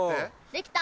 できた。